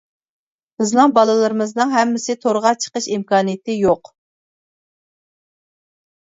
بىزنىڭ بالىلىرىمىزنىڭ ھەممىسى تورغا چىقىش ئىمكانىيىتى يوق.